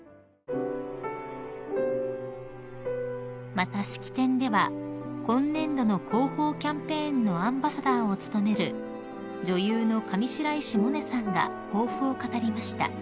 ［また式典では今年度の広報キャンペーンのアンバサダーを務める女優の上白石萌音さんが抱負を語りました］